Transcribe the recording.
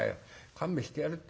勘弁してやるって」。